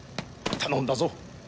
頼んだぞ。